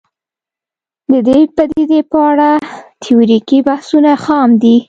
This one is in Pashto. د دې پدیدې په اړه تیوریکي بحثونه خام دي